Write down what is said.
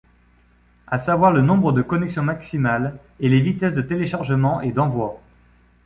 À savoir le nombre de connexions maximales et les vitesses de téléchargement et d'envoi.